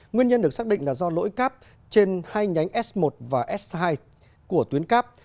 nguyên nhân được xác định là do lỗi cáp trên hai nhánh s một và s hai của tuyến cắp